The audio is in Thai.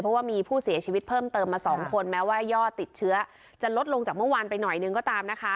เพราะว่ามีผู้เสียชีวิตเพิ่มเติมมา๒คนแม้ว่ายอดติดเชื้อจะลดลงจากเมื่อวานไปหน่อยนึงก็ตามนะคะ